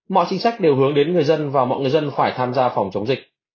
mọi chính sách đều hướng đến người dân và mọi người dân phải tham gia phòng chống dịch